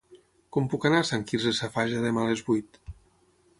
Com puc anar a Sant Quirze Safaja demà a les vuit?